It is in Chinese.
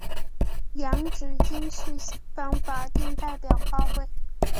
洋紫荆是香港法定代表花卉。